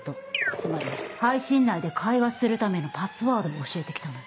つまり配信内で会話するためのパスワードを教えてきたのよ。